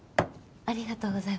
ありがとうございます。